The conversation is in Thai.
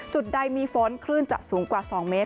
จุดใดมีฝนคลื่นจะสูงกว่า๒เมตร